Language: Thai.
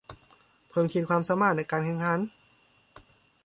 เพิ่มขีดความสามารถในการแข่งขัน